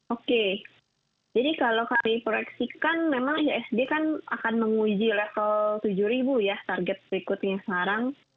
oke jadi kalau kami proyeksikan memang ihsg kan akan menguji level tujuh ya target berikutnya sekarang